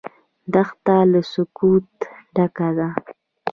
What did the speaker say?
دښته له سکوته ډکه ده.